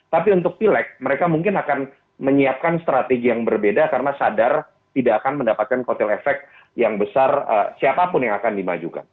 tapi untuk pilek mereka mungkin akan menyiapkan strategi yang berbeda karena sadar tidak akan mendapatkan kotel efek yang besar siapapun yang akan dimajukan